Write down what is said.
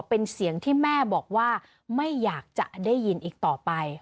เป็นเสียงที่แม่บอกว่าไม่อยากจะได้ยินอีกต่อไป